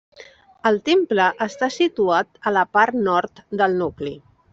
El temple està situat a la part nord del nucli.